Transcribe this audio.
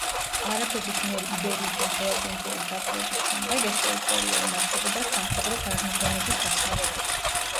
არაბების მიერ იბერიის ნახევარკუნძულის დაპყრობის შემდეგ ეს ტერიტორია იმართებოდა სამხედრო გარნიზონების დახმარებით.